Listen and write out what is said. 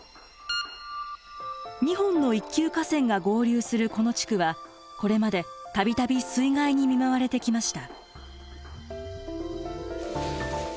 ２本の一級河川が合流するこの地区はこれまで度々水害に見舞われてきました。